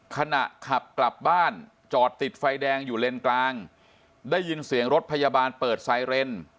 ขณะขับกลับบ้านจอดติดไฟแดงอยู่เลนกลางได้ยินเสียงรถพยาบาลเปิดไซเรน